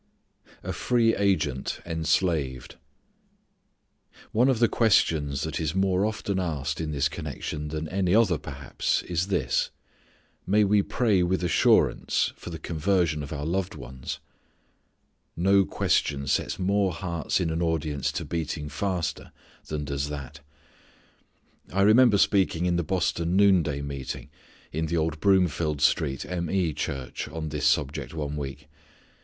A Free Agent Enslaved. One of the questions that is more often asked in this connection than any other perhaps is this: may we pray with assurance for the conversion of our loved ones? No question sets more hearts in an audience to beating faster than does that. I remember speaking in the Boston noonday meeting, in the old Broomfield Street M. E. Church on this subject one week.